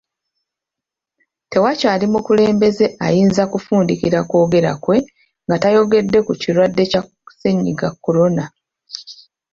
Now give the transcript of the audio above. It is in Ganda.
Tewakyali mukulembeze ayinza kufundikira kwogera kwe nga tayogedde ku kirwadde kya Ssennyiga Corona